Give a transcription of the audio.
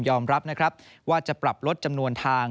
รับนะครับว่าจะปรับลดจำนวนทาง